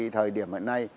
thời điểm hôm nay